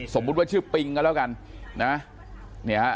สมมุติว่าชื่อปิงก็แล้วกันนะ